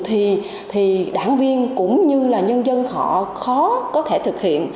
thì đảng viên cũng như là nhân dân họ khó có thể thực hiện